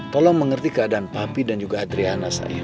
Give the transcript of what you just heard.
tolong mengerti keadaan papi dan juga adriana saya